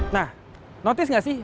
nah notice nggak sih